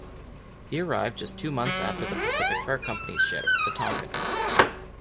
He arrived just two months after the Pacific Fur Company's ship, the "Tonquin".